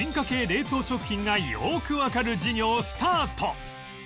冷凍食品がよくわかる授業スタート